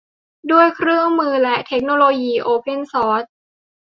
ด้วยเครื่องมือและเทคโนโลยีโอเพ่นซอร์ส